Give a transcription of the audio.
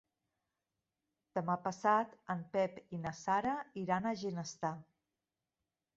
Demà passat en Pep i na Sara iran a Ginestar.